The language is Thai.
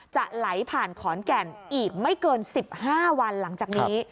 จะไหลผ่านขอนแก่นอีกไม่เกิน๑๕วันหลังจากนี้